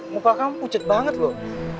muka kamu pucut banget loh